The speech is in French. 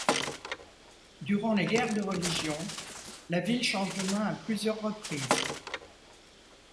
Durant les guerres de religion, la ville change de mains à plusieurs reprises.